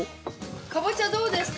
カボチャどうですか？